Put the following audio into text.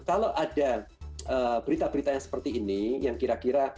kalau ada berita berita yang seperti ini yang kira kira